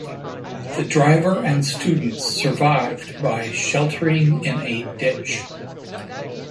The driver and students survived by sheltering in a ditch.